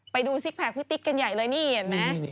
ซิกแพคพี่ติ๊กกันใหญ่เลยนี่เห็นไหม